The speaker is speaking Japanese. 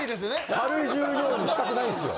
軽い重量にしたくないんすよ。